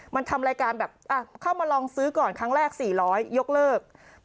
มันทำรายการแบบเข้ามาลองซื้อก่อนครั้งแรก๔๐๐ยกเลิก